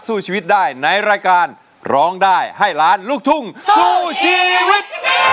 สู้ชีวิตได้ในรายการร้องได้ให้ล้านลูกทุ่งสู้ชีวิต